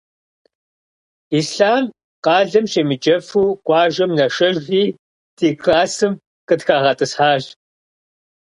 Ислъам къалэм щемыджэфу, къуажэм нашэжри ди классым къытхагъэтӏысхьащ.